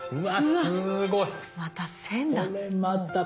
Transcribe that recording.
すごい。